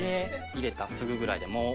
入れたすぐぐらいでもう。